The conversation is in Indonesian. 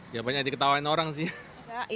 ya banyak diketawain orang sih